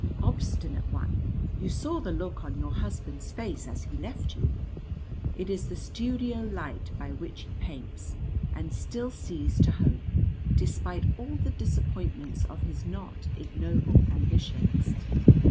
Obstinate one, you saw the look on your husband's face as he left you. It is the studio light by which he paints and still sees to hope, despite all the disappointments of his not ignoble ambitions.